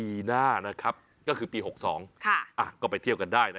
สุดยอดน้ำมันเครื่องจากญี่ปุ่น